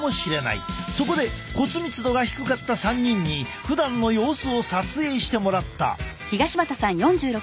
そこで骨密度が低かった３人にふだんの様子を撮影してもらった。